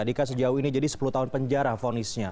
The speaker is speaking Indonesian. dika sejauh ini jadi sepuluh tahun penjara fonisnya